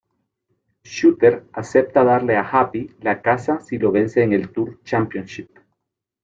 Shooter acepta darle a Happy la casa si lo vence en el Tour Championship.